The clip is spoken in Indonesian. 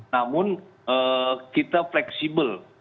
namun kita fleksibel